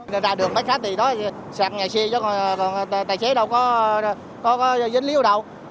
để ra đường bắt khách thì đói xe xe nhà xe chứ còn tài xế đâu có dính liêu đâu